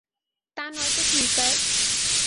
তা নয় তো কী, স্যার?